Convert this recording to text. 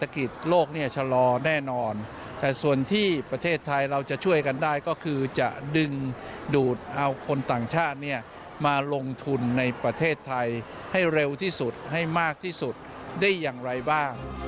ก็คือจะดึงดูดเอาคนต่างชาติมาลงทุนในประเทศไทยให้เร็วที่สุดให้มากที่สุดได้อย่างไรบ้าง